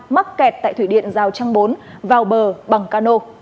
mắc kẹt tại thủy điện giao trang bốn vào bờ bằng cano